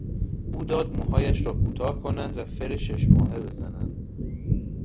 او داد موهایش را کوتاه کنند و فر شش ماهه بزنند.